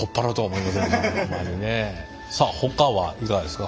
さあほかはいかがですか？